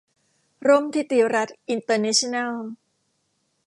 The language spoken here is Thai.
ร่มธิติรัตน์อินเตอร์เนชั่นแนล